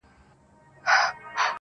ښکلې ته ښکلی دي خیال دی,